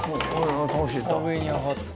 上に上がって。